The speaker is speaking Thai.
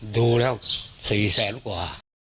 ดูแล้ว๔แสนกว่า